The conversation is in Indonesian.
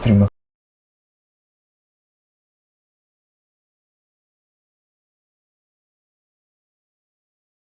ini hj memungkinkan rencontars